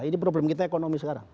ini problem kita ekonomi sekarang